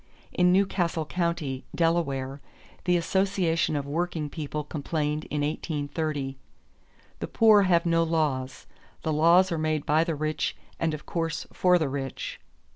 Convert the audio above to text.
In Newcastle county, Delaware, the association of working people complained in 1830: "The poor have no laws; the laws are made by the rich and of course for the rich."